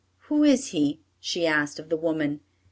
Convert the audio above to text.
"Who is he?" she asked of the woman.